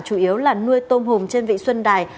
chủ yếu là nuôi tôm hùm trên vịnh xuân đài